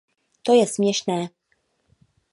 To je směšné.